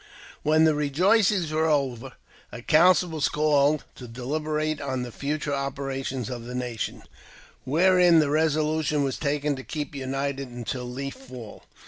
WHEN the rejoicings were over, a council was called deliberate on the future operations of the nation, where l resolution was taken to keep united until Leaf Fall.